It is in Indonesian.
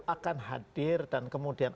akan hadir dan kemudian